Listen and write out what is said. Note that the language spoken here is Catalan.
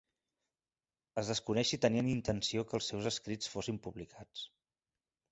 Es desconeix si tenia intenció que els seus escrits fossin publicats.